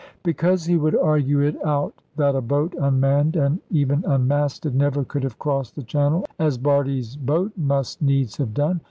Because he would argue it out that a boat, unmanned and even unmasted, never could have crossed the channel as Bardie's boat must needs have done.